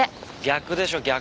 逆でしょ逆！